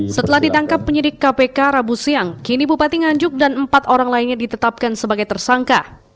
setelah ditangkap penyidik kpk rabu siang kini bupati nganjuk dan empat orang lainnya ditetapkan sebagai tersangka